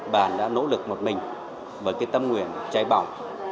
bạn đã nỗ lực một mình với cái tâm nguyện cháy bỏng